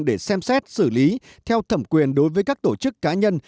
để xem xét xử lý theo thẩm quyền đối với các tổ chức cá nhân